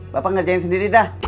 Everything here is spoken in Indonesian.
bapak ngerjain sendiri dah